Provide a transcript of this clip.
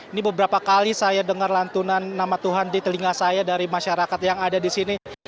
ini beberapa kali saya dengar lantunan nama tuhan di telinga saya dari masyarakat yang ada di sini